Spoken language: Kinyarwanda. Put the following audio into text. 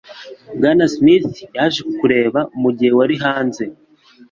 Bwana Smith yaje kukureba mugihe wari hanze.